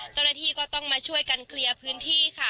เจ้าหน้าที่ก็ต้องมาช่วยกันเคลียร์พื้นที่ค่ะ